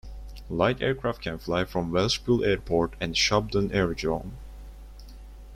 Light aircraft can fly from Welshpool Airport and Shobdon Aerodrome.